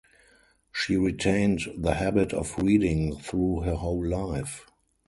She retained the habit of reading through her whole life.